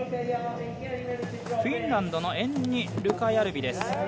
フィンランドのエンニ・ルカヤルビです。